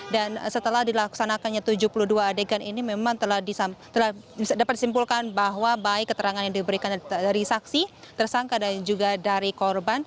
dan setelah dilaksanakannya tujuh puluh dua adegan ini memang telah disampulkan bahwa baik keterangan yang diberikan dari saksi tersangka dan juga dari korban